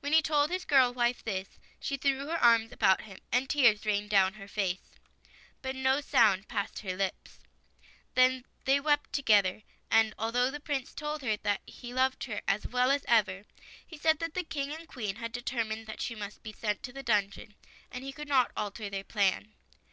When he told his girl wife this, she threw her arms about him and tears rained down her face, but no sound passed her lips. Then they wept together, and although the Prince told her that he loved her as well as ever, he said that the King and Queen had deter mined that she must be sent to the dungeon, and he could not alter their plan.